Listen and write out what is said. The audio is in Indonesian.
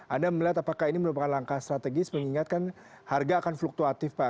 anda melihat apakah ini merupakan langkah strategis mengingatkan harga akan fluktuatif pak